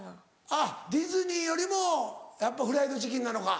あっディズニーよりもやっぱフライドチキンなのか。